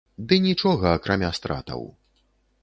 Ды нічога, акрамя стратаў.